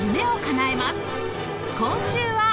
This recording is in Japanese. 今週は